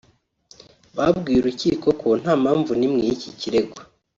babwiye urukiko ko nta mpamvu n’imwe y’iki kirego